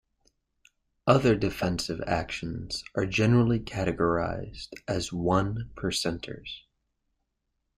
Other defensive actions are generally categorised as "one percenters".